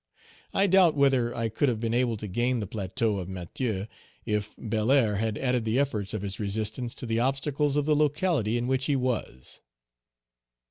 I doubt whether I could have been able to gain the plateau of Matheux if Belair had added the efforts of his resistance to the obstacles of the locality in which he was.